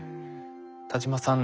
田島さん